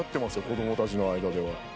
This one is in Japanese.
子どもたちの間では。